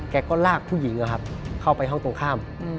แกก็ลากผู้หญิงเข้าไปห้องตรงข้าม